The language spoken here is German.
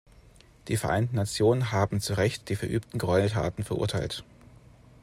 Die Vereinten Nationen haben zu Recht die verübten Gräueltaten verurteilt.